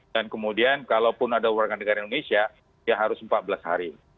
dan kemudian kalau pun ada warga negara indonesia ya harus empat belas hari